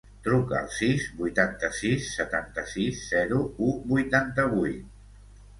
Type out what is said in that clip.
Truca al sis, vuitanta-sis, setanta-sis, zero, u, vuitanta-vuit.